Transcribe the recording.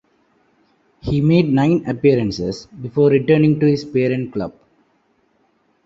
He made nine appearances before returning to his parent club.